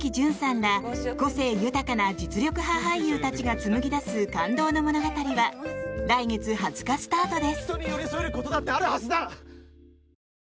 ら個性豊かな実力派俳優たちが紡ぎ出す感動の物語は来月２０日スタートです。